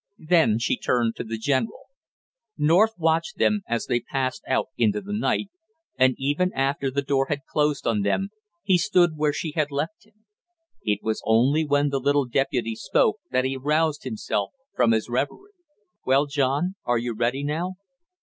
Then she turned to the general. North watched them as they passed out into the night, and even after the door had closed on them he stood where she had left him. It was only when the little deputy spoke that he roused himself from his reverie. "Well, John, are you ready now?"